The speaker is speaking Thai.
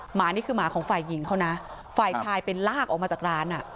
หมานี่คือหมาของฝ่ายหญิงเขานะฝ่ายชายไปลากออกมาจากร้านอ่ะ